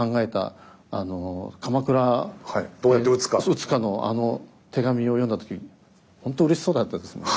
討つかのあの手紙を読んだ時本当うれしそうだったですよね。